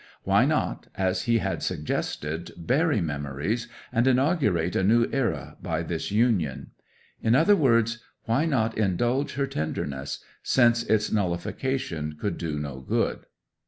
Why not, as he had suggested, bury memories, and inaugurate a new era by this union? In other words, why not indulge her tenderness, since its nullification could do no good.